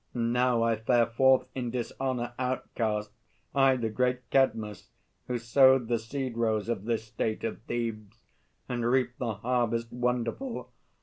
And now I fare Forth in dishonour, outcast, I, the great Cadmus, who sowed the seed rows of this state Of Thebes, and reaped the harvest wonderful.